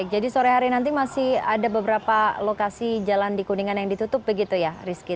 jadi sore hari nanti masih ada beberapa lokasi jalan di kuningan yang ditutup begitu ya rizky